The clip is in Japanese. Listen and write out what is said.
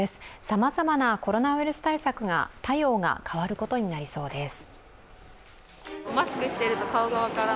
さまざまなコロナウイルス対策対応が変わることになりそうです。